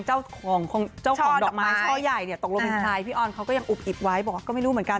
เจ้าของเจ้าของดอกไม้ช่อใหญ่เนี่ยตกลงเป็นใครพี่ออนเขาก็ยังอุบอิบไว้บอกว่าก็ไม่รู้เหมือนกัน